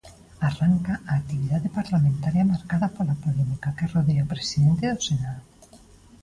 Arranca a actividade parlamentaria marcada pola polémica que rodea o presidente do Senado.